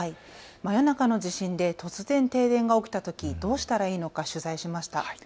真夜中の地震で突然、停電が起きたとき、どうしたらいいのか取材しました。